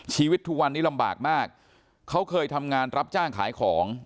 ชีวิตทุกวันนี้ลำบากมากเขาเคยทำงานรับจ้างขายของ